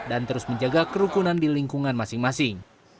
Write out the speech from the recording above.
dan terus menjaga kerukunan di lingkungan masing masing